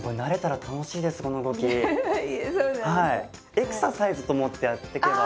エクササイズと思ってやっていけば。